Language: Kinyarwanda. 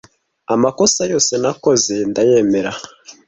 amakosa yose nakoze ndayemera